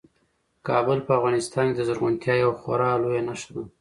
کابل په افغانستان کې د زرغونتیا یوه خورا لویه نښه ده.